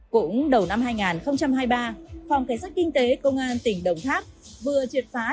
cũng đầu năm hai nghìn hai mươi ba phòng kế sách kinh tế công an tỉnh đồng tháp